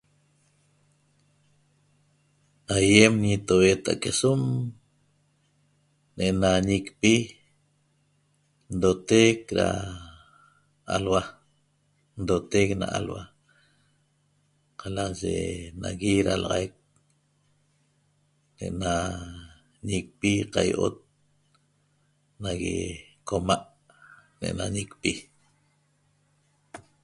ayem ñetoguetaac quesum ena ñecpi ndootek na alhua , ndoteek na alhua qalaxaye nagui dalaxaic ena ñicpi da qayot nague na qomaa ne ena ñicpi.